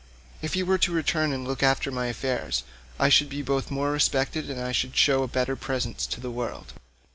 If he were to return and look after my affairs I should be both more respected and should show a better presence to the world.